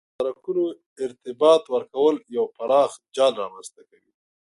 د سرکونو ارتباط ورکول یو پراخ جال رامنځ ته کوي